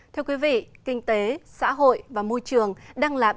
thưa quý vị kinh tế xã hội và môi trường